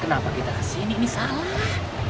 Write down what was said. kenapa kita kesini ini salah